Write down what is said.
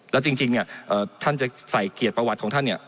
แล้วจริงเนี่ยท่านจะใส่เกียรติประวัติของท่านเนี่ย